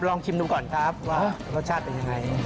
ลองชิมดูก่อนครับว่ารสชาติเป็นยังไง